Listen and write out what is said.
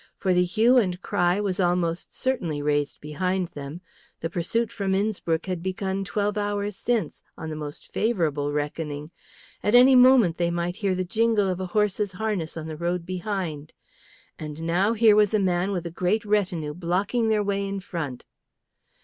For the hue and cry was most certainly raised behind them; the pursuit from Innspruck had begun twelve hours since, on the most favourable reckoning. At any moment they might hear the jingle of a horse's harness on the road behind. And now here was a man with a great retinue blocking their way in front.